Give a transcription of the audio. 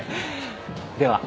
では。